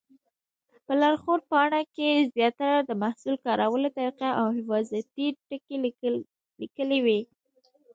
په لارښود پاڼه کې زیاتره د محصول کارولو طریقه او حفاظتي ټکي لیکلي وي.